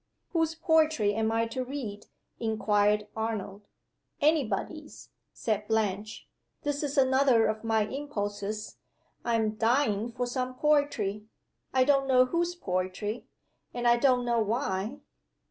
"Whose poetry am I to read?" inquired Arnold. "Any body's," said Blanche. "This is another of my impulses. I am dying for some poetry. I don't know whose poetry. And I don't know why."